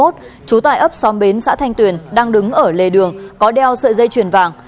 trú tại ấp xóm bến xã thanh tuyền đang đứng ở lề đường có đeo sợi dây chuyền vàng